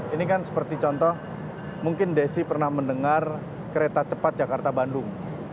ini kan seperti contoh mungkin desi pernah mendengar kereta cepat jakarta bandung